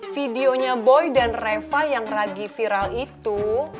videonya boy dan reva yang lagi viral itu